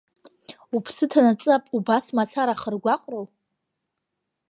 Уԥсы ҭанаҵы убас мацара ахыргәаҟроу?